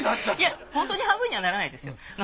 本当に半分にはならないですよ。